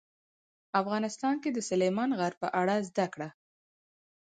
افغانستان کې د سلیمان غر په اړه زده کړه.